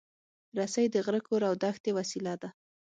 رسۍ د غره، کور، او دښتې وسیله ده.